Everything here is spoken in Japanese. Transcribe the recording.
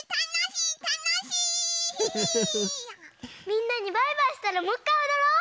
みんなにバイバイしたらもういっかいおどろう！